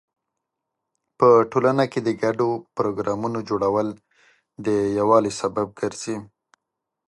په ټولنه کې د ګډو پروګرامونو جوړول د یووالي سبب ګرځي.